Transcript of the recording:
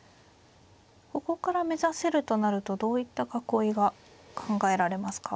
ここから目指せるとなるとどういった囲いが考えられますか。